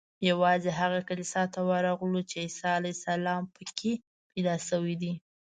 یوازې هغه کلیسا ته ورغلو چې عیسی علیه السلام په کې پیدا شوی دی.